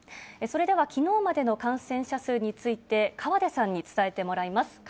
それではきのうまでの感染者数について、河出さんに伝えてもらいます。